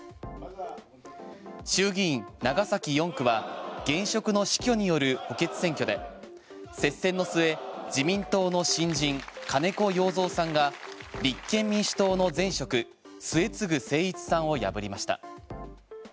衆議院長崎４区は現職の死去による補欠選挙で接戦の末自民党の新人、金子容三さんが立憲民主党の前職末次精一さんを破りました。